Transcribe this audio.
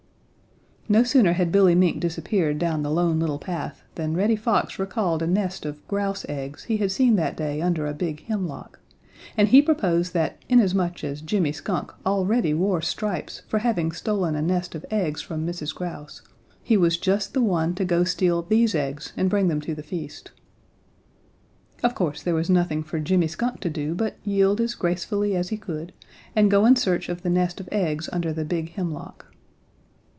No sooner had Billy Mink disappeared down the Lone Little Path than Reddy Fox recalled a nest of grouse eggs he had seen that day under a big hemlock, and he proposed that inasmuch as Jimmy Skunk already wore stripes for having stolen a nest of eggs from Mrs. Grouse, he was just the one to go steal these eggs and bring them to the feast. Of course there was nothing for Jimmy Skunk to do but to yield as gracefully as he could and go in search of the nest of eggs under the big hemlock.